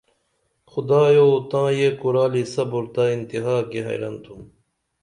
خدایو تاں یہ کُرالی صبُر تہ انتہا کی حیرن تُھم